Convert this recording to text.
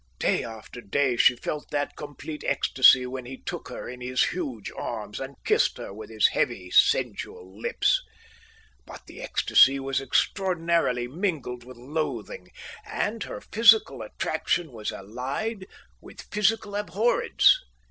Day after day she felt that complete ecstasy when he took her in his huge arms, and kissed her with his heavy, sensual lips. But the ecstasy was extraordinarily mingled with loathing, and her physical attraction was allied with physical abhorrence.